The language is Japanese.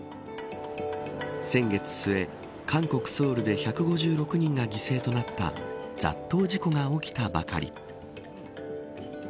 先月末、韓国、ソウルで１５６人が犠牲となった雑踏事故が起きたばかり。